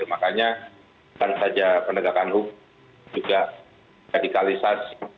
makanya bukan saja penegakan hukum juga radikalisasi